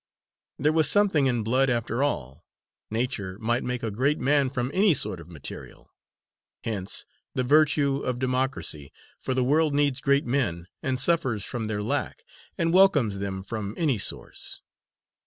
There was something in blood, after all, Nature might make a great man from any sort of material: hence the virtue of democracy, for the world needs great men, and suffers from their lack, and welcomes them from any source.